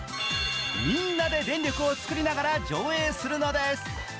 みんなで電力を作りながら上映するのです。